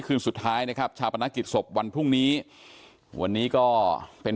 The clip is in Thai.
คืนสุดท้ายนะครับชาปนกิจศพวันพรุ่งนี้วันนี้ก็เป็น